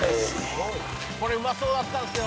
「これうまそうだったんですよ」